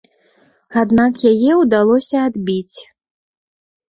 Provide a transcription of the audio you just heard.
Аднак яе ўдалося адбіць.